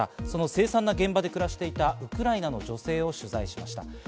その凄惨な現場で暮らしていたウクライナの女性を取材しました。